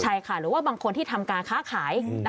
ใช่ค่ะหรือว่าบางคนที่ทำการค้าขาย